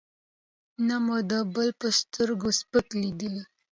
نه مو د بل په سترګو سپک لېدلی.